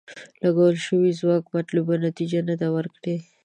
لګول شوی ځواک مطلوبه نتیجه نه ده ورکړې.